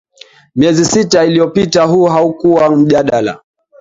Miezi sita iliyopita huu haukuwa mjadala